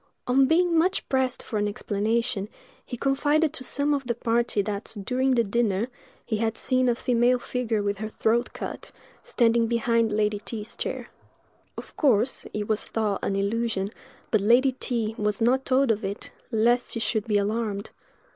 On being much pressed for an explanation, he confided to some of the party that, during the dinner, he had seen a female figure with her throat cut, standing behind Lady T——'s chair. Of course, it was thought an illusion, but Lady T—— was not told of it, lest she should be alarmed.